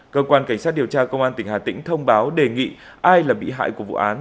cơ quan cảnh sát điều tra công an tỉnh hà tĩnh thông báo đề nghị ai là bị hại của vụ án